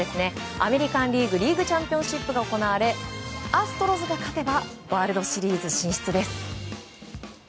アメリカン・リーグリーグチャンピオンシップが行われアストロズが勝てばワールドシリーズ進出です。